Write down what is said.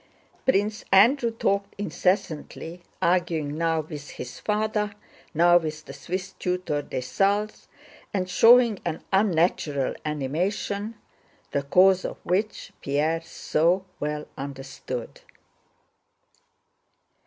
Prince Andrew talked incessantly, arguing now with his father, now with the Swiss tutor Dessalles, and showing an unnatural animation, the cause of which Pierre so well understood.